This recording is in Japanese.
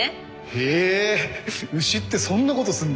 へえ牛ってそんなことするんだ。